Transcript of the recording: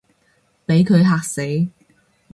畀佢嚇死